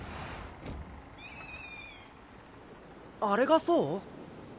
あれがそう？